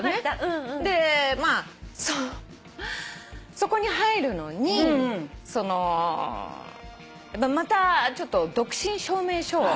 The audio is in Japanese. そこに入るのにそのまたちょっと独身証明書を。